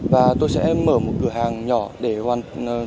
và tôi sẽ mở một cửa hàng nhỏ để hoàn